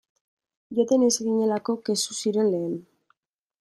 Joaten ez ginelako kexu ziren lehen.